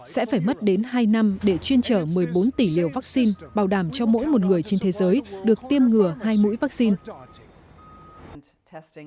sẽ phải mất đến hai năm để chuyên trở một mươi bốn tỷ liều vaccine bảo đảm cho mỗi một người trên thế giới được tiêm ngừa hai mũi vaccine